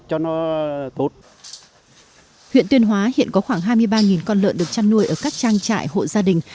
huyện tuyên hóa hiện có khoảng hai mươi ba con lợn được chăn nuôi ở các trang trại hộ gia đình